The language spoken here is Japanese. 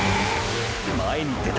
前に出た！！